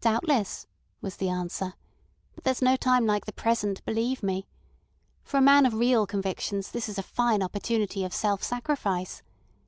"Doubtless," was the answer; "but there's no time like the present, believe me. For a man of real convictions this is a fine opportunity of self sacrifice.